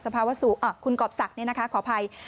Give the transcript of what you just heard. สภาวะสูอาอ่ะคุณกอบสักขออภัย